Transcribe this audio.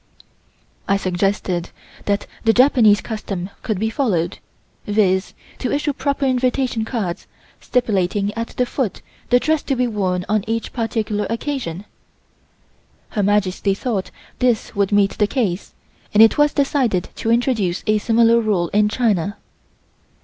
I suggested that the Japanese custom could be followed, viz.: to issue proper invitation cards, stipulating at the foot the dress to be worn on each particular occasion. Her Majesty thought this would meet the case and it was decided to introduce a similar rule in China.